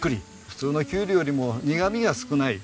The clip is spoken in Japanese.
普通のキュウリよりも苦味が少ない。